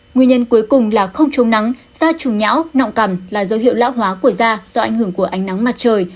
nguyên nhân cuối cùng là không chống nắng da trùm nhão nọng cằm là dấu hiệu lão hóa của da do ảnh hưởng của ánh nắng mặt trời